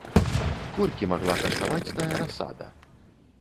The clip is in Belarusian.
Колькі магла каштаваць тая расада?